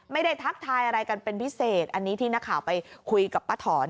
ทักทายอะไรกันเป็นพิเศษอันนี้ที่นักข่าวไปคุยกับป้าถอน